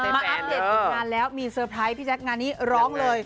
อัปเดตผลงานแล้วมีเซอร์ไพรส์พี่แจ๊คงานนี้ร้องเลย